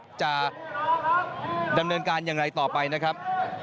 จะดำเนินการอย่างไรต่อไปนะครับ